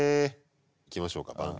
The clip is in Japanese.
いきましょうかバン！